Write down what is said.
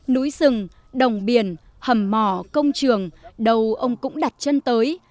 núi rừng đồng biển hầm mỏ công trường đâu ông cũng đặt chân tới